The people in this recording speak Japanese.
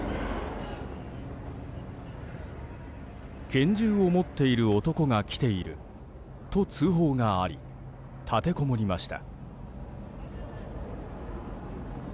拳銃を持っている男が来ていると通報があり立てこもりました。